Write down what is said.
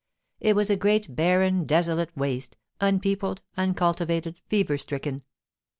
It was a great, barren, desolate waste; unpeopled, uncultivated, fever stricken.